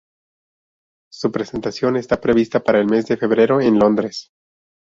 Su presentación está prevista para el mes de febrero en Londres.